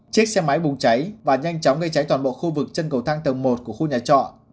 chiếc xe máy bùng cháy và nhanh chóng gây cháy toàn bộ khu vực chân cầu thang tầng một của khu nhà trọ